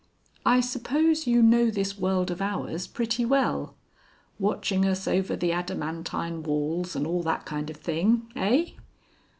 "I suppose you know this world of ours pretty well? Watching us over the adamantine walls and all that kind of thing. Eigh?"